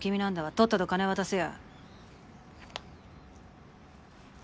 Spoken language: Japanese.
とっとと金渡せや。